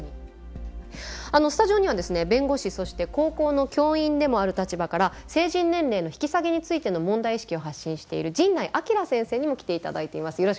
スタジオにはですね弁護士そして高校の教員でもある立場から成人年齢の引き下げについての問題意識を発信している神内聡先生にも来ていただいています。